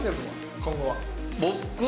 今後は？